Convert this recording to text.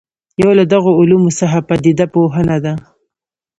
یو له دغو علومو څخه پدیده پوهنه ده.